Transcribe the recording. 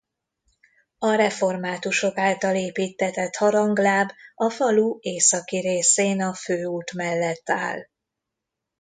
A reformátusok által építtetett harangláb a falu északi részén a főút mellett áll.